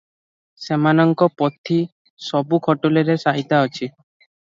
ସେମାନଙ୍କ ପୋଥି ସବୁ ଖଟୁଲିରେ ସାଇତା ଅଛି ।